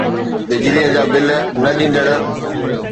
بجليءَ جا بل نه ڏيندڙ